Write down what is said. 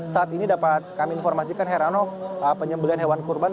saat ini dapat kami informasikan heranov penyembelian hewan kurban